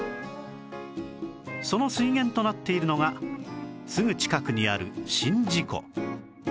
その水源となっているのがすぐ近くにある宍道湖